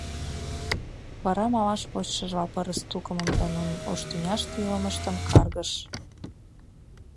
Вара малаш вочшыжла пырыс тукымым да нунын ош тӱняште илымыштым каргыш.